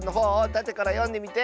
たてからよんでみて！